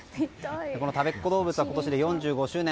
この、たべっ子どうぶつは今年で４５周年。